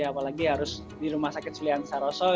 apalagi harus di rumah sakit sulianti saroso